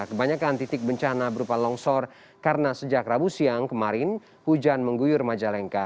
kebanyakan titik bencana berupa longsor karena sejak rabu siang kemarin hujan mengguyur majalengka